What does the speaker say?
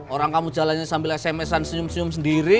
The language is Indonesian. orang kamu jalanin sambil sms an senyum senyum sendiri